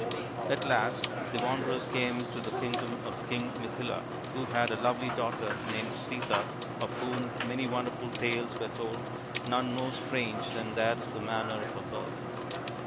At last the wanderers came to the kingdom of King Mithila, who had a lovely daughter named Sita, of whom many wonderful tales were told, none more strange than that of the manner of her birth.